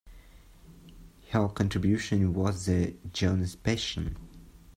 Her contribution was the "Johannes-Passion".